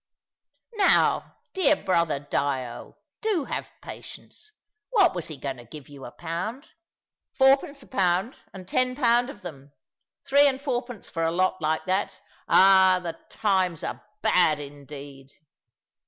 "Now, dear brother Dyo, do have patience! What was he going to give you a pound?" "Fourpence a pound, and ten pound of them. Three and fourpence for a lot like that! Ah, the times are bad indeed!"